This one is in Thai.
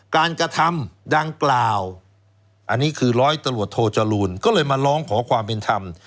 กระทำดังกล่าวอันนี้คือร้อยตำรวจโทจรูลก็เลยมาร้องขอความเป็นธรรม